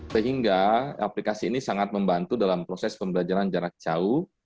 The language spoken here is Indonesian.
sehingga aplikasi ini sangat membantu dalam proses pembelajaran jarak jauh